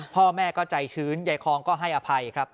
พ่อแม่ก็ใจชื้นยายคองก็ให้อภัยครับ